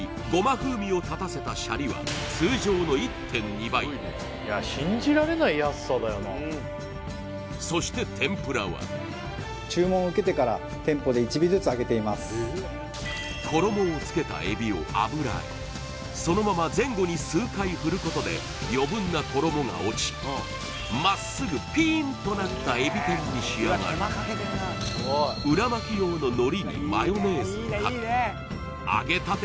風味を立たせたシャリはうんそして天ぷらは衣をつけたエビを油へそのまま前後に数回振ることで余分な衣が落ちまっすぐピーンとなったえび天に仕上がる裏巻き用の海苔にマヨネーズをかけ揚げたて